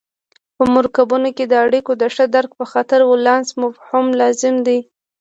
په مرکبونو کې د اړیکو د ښه درک په خاطر ولانس مفهوم لازم دی.